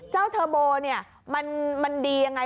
เทอร์โบเนี่ยมันดียังไง